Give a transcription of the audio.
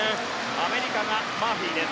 アメリカがマーフィーです。